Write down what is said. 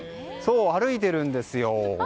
歩いてるんです。